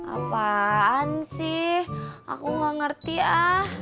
apaan sih aku gak ngerti ah